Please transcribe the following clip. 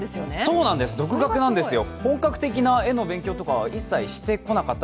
そうなんです、本格的な絵の勉強は一切してこなかった。